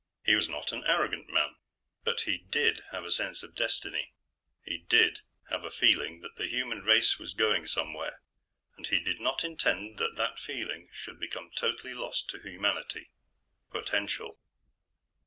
He was not an arrogant man. But he did have a sense of destiny; he did have a feeling that the human race was going somewhere, and he did not intend that that feeling should become totally lost to humanity. Potential.